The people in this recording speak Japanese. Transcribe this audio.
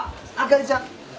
あかりちゃん